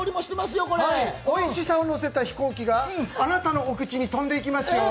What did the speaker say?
おいしさをのせた飛行機があなたのお口に飛んで行きますよ。